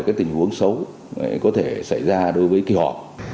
các tình huống xấu có thể xảy ra đối với kỳ họ